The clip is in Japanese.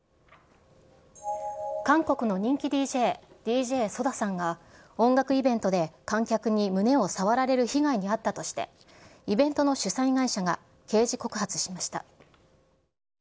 韓国の人気ＤＪ、ＤＪソダさんが、音楽イベントで観客に胸を触られる被害に遭ったとして、イベントの主催会社が刑事告発しました。